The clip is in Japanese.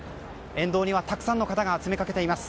沿道にはたくさんの方が詰めかけています。